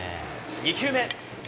２球目。